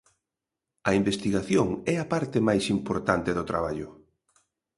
A investigación é a parte máis importante do traballo.